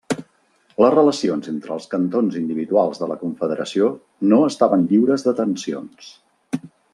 Les relacions entre els cantons individuals de la confederació no estaven lliures de tensions.